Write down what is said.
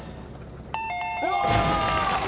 うわ！